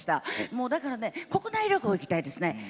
もうだからね国内旅行行きたいですね。